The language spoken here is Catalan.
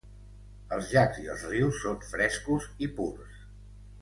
Els llacs i els rius són frescos i purs.